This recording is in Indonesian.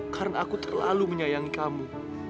karena aku terlalu menyayangi kamu